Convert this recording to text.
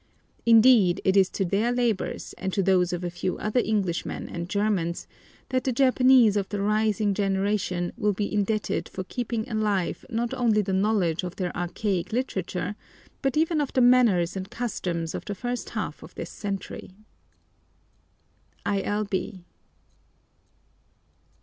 Indeed it is to their labours, and to those of a few other Englishmen and Germans, that the Japanese of the rising generation will be indebted for keeping alive not only the knowledge of their archaic literature, but even of the manners and customs of the first half of this century. I. L. B.